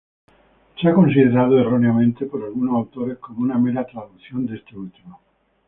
Se ha considerado erróneamente por algunos autores como una mera traducción de este último.